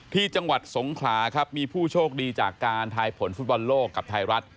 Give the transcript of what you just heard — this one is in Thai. ที่จังหวัดสงขลาครับมีผู้โชคดีจากการทายผลฟุตบอลโลกกับไทยรัฐ